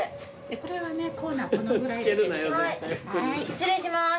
失礼します！